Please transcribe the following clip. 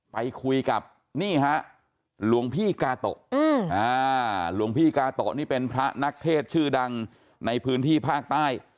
ไปคุยกับนี่ฮะหลวงพี่กาโตะหลวงพี่กาโตะนี่เป็นพระนักเทศชื่อดังในพื้นที่ภาคใต้